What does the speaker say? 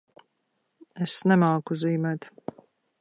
Es nemāku zīmēt.